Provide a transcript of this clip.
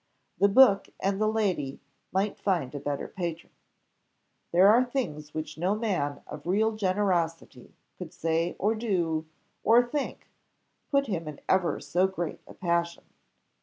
The book and the lady might find a better patron. There are things which no man of real generosity could say or do, or think, put him in ever so great a passion.